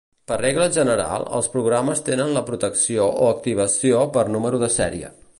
Per regla general, els programes tenen la protecció o activació per número de sèrie.